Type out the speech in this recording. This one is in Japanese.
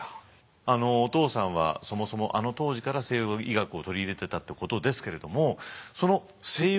あのお父さんはそもそもあの当時から西洋医学を取り入れてたってことですけれど